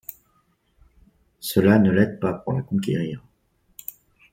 Cela ne l'aide pas pour la conquérir.